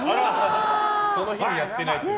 その日はやってないと。